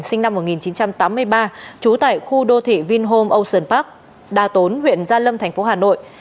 sinh năm một nghìn chín trăm tám mươi ba trú tại khu đô thị vinhome ocean park đa tốn huyện gia lâm thành phố hà nội